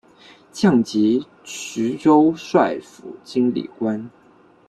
降级徐州帅府经历官。